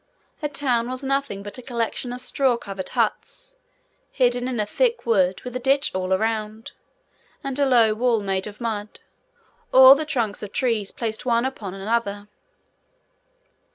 A town was nothing but a collection of straw covered huts, hidden in a thick wood, with a ditch all round, and a low wall, made of mud, or the trunks of trees placed one upon another.